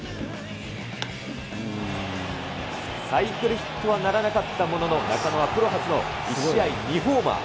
サイクルヒットはならなかったものの、中野はプロ初の１試合２ホーマー。